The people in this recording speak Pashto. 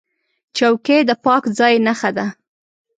چوکۍ د پاک ځای نښه ده.